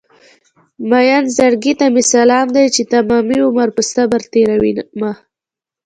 مين زړګي ته مې سلام دی چې تمامي عمر په صبر تېرومه